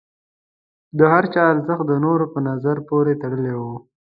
د هر چا ارزښت د نورو په نظر پورې تړلی و.